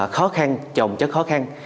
khó khăn chồng chất khó khăn